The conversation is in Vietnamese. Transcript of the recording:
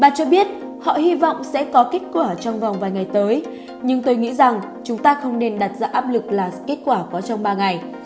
bà cho biết họ hy vọng sẽ có kết quả trong vòng vài ngày tới nhưng tôi nghĩ rằng chúng ta không nên đặt ra áp lực là kết quả có trong ba ngày